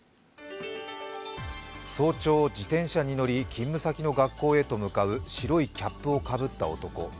早朝、自転車に乗り、勤務先の学校へと向かう白いキャップをかぶった男。